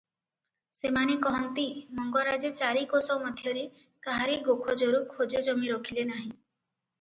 ସେମାନେ କହନ୍ତି, ମଙ୍ଗରାଜେ ଚାରି କୋଶ ମଧ୍ୟରେ କାହାରି ଗୋଖୋଜରୁ ଖୋଜେ ଜମି ରଖିଲେ ନାହିଁ ।